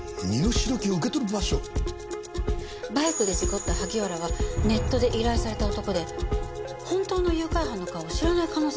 バイクで事故った萩原はネットで依頼された男で本当の誘拐犯の顔を知らない可能性があります。